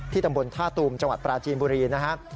ตำบลท่าตูมจังหวัดปราจีนบุรีนะครับ